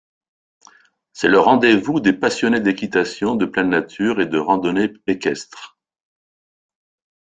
C'est le rendez-vous des passionnés d'équitation de pleine nature et de randonnée équestre.